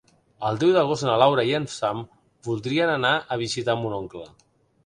El deu d'agost na Laura i en Sam voldria anar a visitar mon oncle.